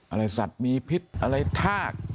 อะไรสัตว์มีพิษอะไรทาก